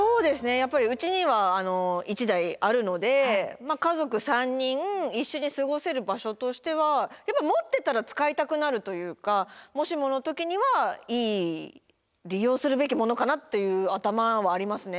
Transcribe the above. やっぱりうちには１台あるので家族３人一緒に過ごせる場所としては持ってたら使いたくなるというかもしもの時にはいい利用するべきものかなっていう頭はありますね。